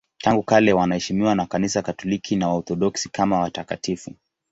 Tangu kale wanaheshimiwa na Kanisa Katoliki na Waorthodoksi kama watakatifu.